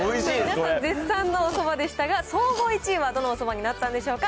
絶賛のおそばでしたが、総合１位はどのそばになったんでしょうか。